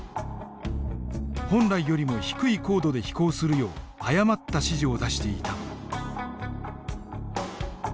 本来よりも低い高度で飛行するよう誤った指示を出していた。